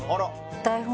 台本